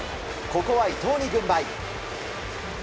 ここは伊藤に軍配。